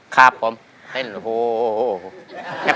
ครับผมเต้นรัว